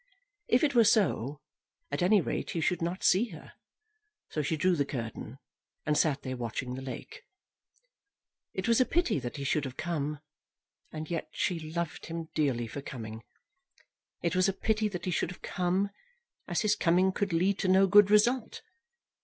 If it were so, at any rate he should not see her, so she drew the curtain, and sat there watching the lake. It was a pity that he should have come, and yet she loved him dearly for coming. It was a pity that he should have come, as his coming could lead to no good result.